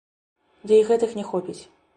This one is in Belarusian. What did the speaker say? Ды і гэтых не хопіць.